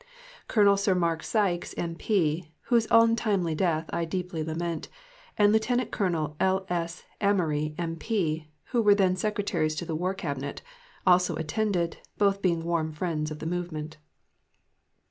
Colonel Sir Mark Sykes, M.P. (whose untimely death I deeply lament), and Lieut. Colonel L. S. Amery, M.P., who were then Secretaries to the War Cabinet, also attended, both being warm friends of the movement.